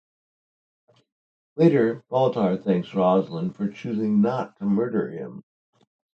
Later, Baltar thanks Roslin for choosing not to murder him.